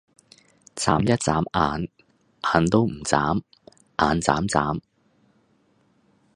䁪一䁪眼，眼都唔䁪，眼䁪䁪